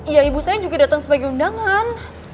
iya ibu saya juga datang sebagai undangan